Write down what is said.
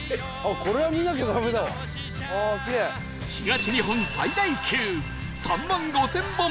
東日本最大級３万５０００本！